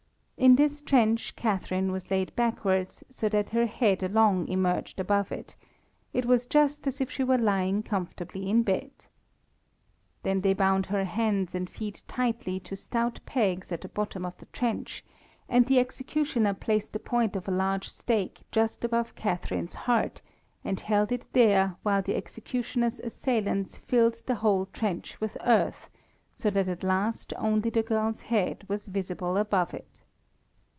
In this trench Catharine was laid backwards, so that her head alone emerged above it; it was just as if she were lying comfortably in bed. Then they bound her hands and feet tightly to stout pegs at the bottom of the trench, and the executioner placed the point of a large stake just above Catharine's heart, and held it there while the executioner's assistants filled the whole trench with earth, so that at last only the girl's head was visible above it.